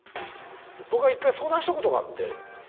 僕が１回相談したことがあって。